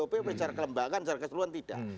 artinya tgupp secara kelembagaan secara keseluruhan tidak